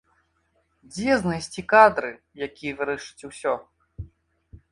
Дзе знайсці кадры, якія вырашаць усё?